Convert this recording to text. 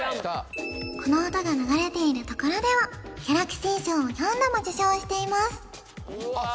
この音が流れているところではギャラクシー賞を４度も受賞していますあっ